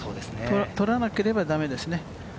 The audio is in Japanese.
取らなければ駄目ですね。